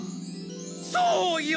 そうよ！